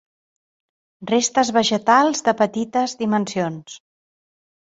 Restes vegetals de petites dimensions.